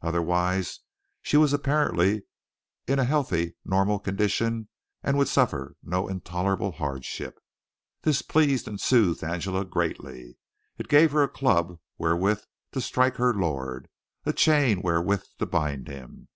Otherwise, she was apparently in a healthy, normal condition and would suffer no intolerable hardship. This pleased and soothed Angela greatly. It gave her a club wherewith to strike her lord a chain wherewith to bind him.